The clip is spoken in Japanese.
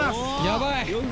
やばい！